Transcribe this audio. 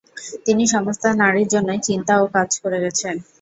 তিনি সমস্ত নারীর জন্যই চিন্তা ও কাজ করে গেছেন।